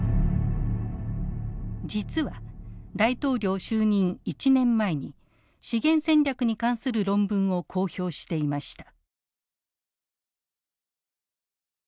実は大統領就任１年前に資源戦略に関する論文を公表していました。